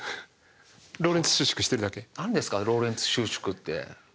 何ですかローレンツ収縮って。